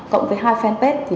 cộng với hai fanpage